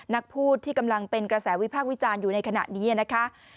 นักพูดที่กำลังเป็นกระแสวิพากษ์วิจารณ์อยู่ในขณะนี้นะคะ